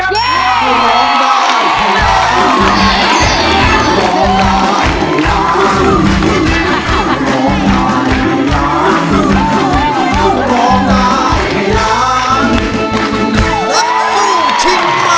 โปรดติดตามตอนต่อไป